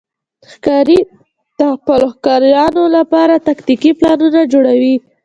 ښکاري د خپلو ښکارونو لپاره تاکتیکي پلانونه جوړوي.